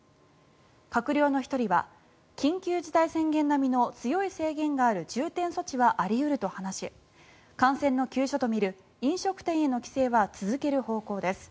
閣僚の１人は緊急事態宣言並みの強い制限がある重点措置はあり得ると話し感染の急所と見る飲食店への規制は続ける方向です。